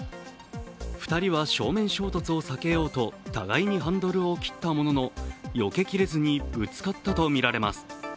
２人は正面衝突を避けようと互いにハンドルを切ったもののよけきれずに、ぶつかったとみられます。